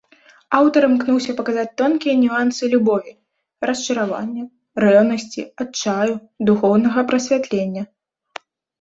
Аўтар імкнуўся паказаць тонкія нюансы любові, расчаравання, рэўнасці, адчаю, духоўнага прасвятлення.